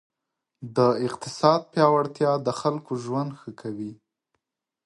د اقتصاد پیاوړتیا د خلکو ژوند ښه کوي.